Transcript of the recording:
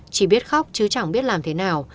chỉ biết khóc chứ chẳng biết làm thế nào